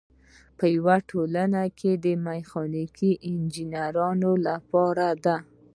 یوه ټولنه د میخانیکي انجینرانو لپاره ده.